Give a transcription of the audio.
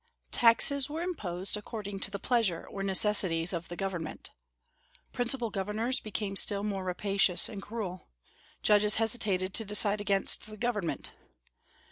Taxes were imposed according to the pleasure or necessities of the government. Provincial governors became still more rapacious and cruel; judges hesitated to decide against the government.